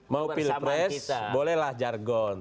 mau pil res bolehlah jargon